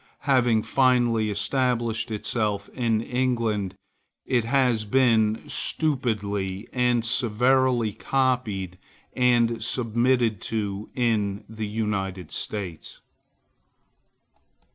Having finally established itself in England, it has been stupidly and servilely copied and submitted to in the United States.